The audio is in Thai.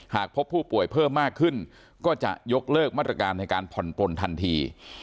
หากพบผู้ป่วยเพิ่มมากขึ้นก็จะยกเลิกมาตรการในการผ่อนปลนทันที